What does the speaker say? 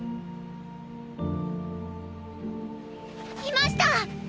いました！